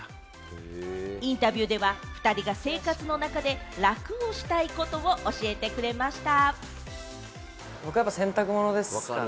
インタビューでは、２人が生活の中で楽をしたいことを教えてくれました。